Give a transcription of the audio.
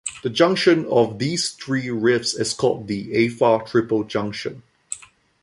The junction of these three rifts is called the Afar Triple Junction.